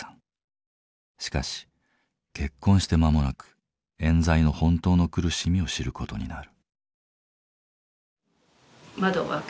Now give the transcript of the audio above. しかし結婚して間もなくえん罪の本当の苦しみを知る事になる。